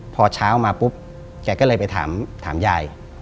พอเช้ามาปุ๊บแกก็เลยไปถามยาย